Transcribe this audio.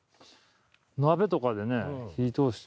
鍋とかでね火通して。